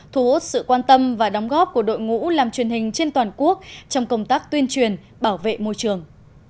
thu hút sự quan tâm và đóng góp của đội ngũ làm truyền hình trên toàn quốc trong công tác tuyên truyền bảo vệ môi trường